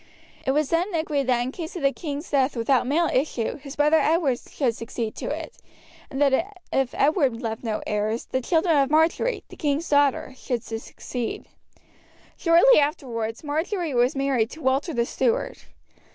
It was then agreed that in case of the king's death without male issue his brother Edward should succeed to it, and that if Edward left no heirs, the children of Marjory, the king's daughter, should succeed. Shortly afterwards Marjory was married to Walter the Steward.